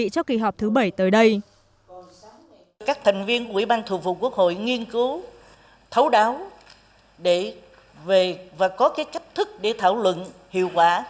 các thành viên quỹ ban thường vụ quốc hội nghiên cứu thấu đáo và có cách thức để thảo luận hiệu quả